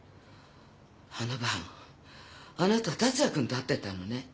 あの晩あなた達也君と会ってたのね？